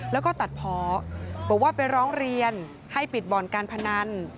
แล้วก็ตัดเพาะบอกว่าไปร้องเรียนให้ปิดบ่อนการพนัน